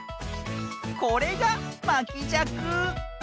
これがまきじゃく。